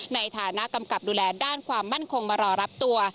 ในฐานะกำกับดูแลด้านความมั่นคงมารอรับตัว